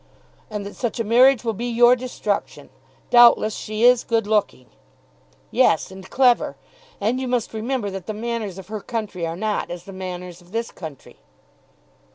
"And that such a marriage will be your destruction. Doubtless she is good looking." "Yes, and clever. And you must remember that the manners of her country are not as the manners of this country."